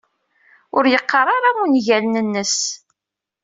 Ur yeqqar ara ungalen-nnes.